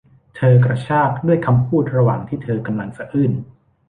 เธอกระชากด้วยคำพูดระหว่างที่เธอกำลังสะอื้น